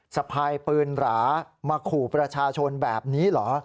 สะพายปืนหรามาขู่ประชาชนแบบนี้เหรอ